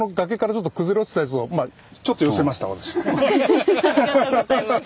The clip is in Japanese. えとありがとうございます。